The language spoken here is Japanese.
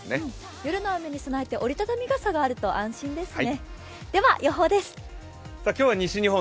夜の雨に備えて折りたたみ傘があると安心ですね。